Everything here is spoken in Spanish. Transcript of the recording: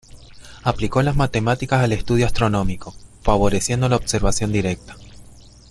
Aplicó las matemáticas al estudio astronómico, favoreciendo la observación directa.